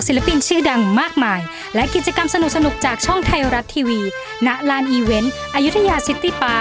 คนงามที่ตามเฝ้าจองน้องเจ้า